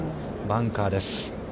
バンカーです。